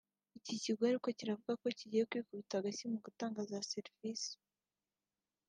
Iki kigo ariko kiravuga ko kigiye kwikubita agashyi mu gutanga za serivisi